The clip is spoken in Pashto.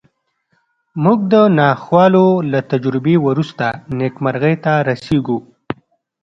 موږ د ناخوالو له تجربې وروسته نېکمرغۍ ته رسېږو